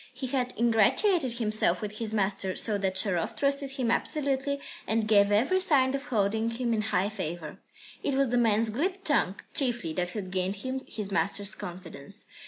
He had ingratiated himself with his master, so that Sharov trusted him absolutely and gave every sign of holding him in high favour. It was the man's glib tongue, chiefly, that had gained him his master's confidence.